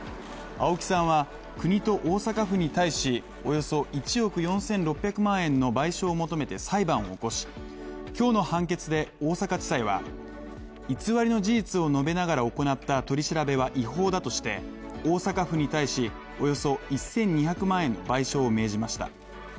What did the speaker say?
青木さんは、国と大阪府に対しおよそ１億４６００万円の賠償を求めて裁判を起こし今日の判決で大阪地裁は偽りの事実を述べながら行った取り調べは違法だとして大阪府に対し、およそ１２００万円の賠償を命じました。